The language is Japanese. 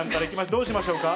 どうしましょうか。